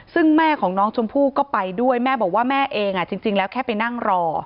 ซึ่งแม่ของน้องชมพู่ก็ไปด้วยแม่บอกว่าแม่เองจริงแล้วแค่ไปนั่งรอ